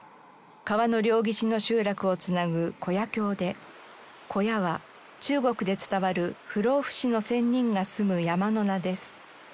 川の両岸の集落をつなぐ姑射橋で「姑射」は中国で伝わる不老不死の仙人が住む山の名です。